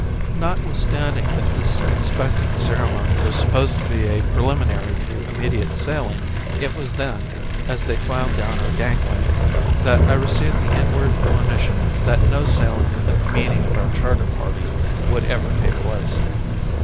Notwithstanding that this inspecting ceremony was supposed to be a preliminary to immediate sailing, it was then, as they filed down our gangway, that I received the inward monition that no sailing within the meaning of our charter party would ever take place.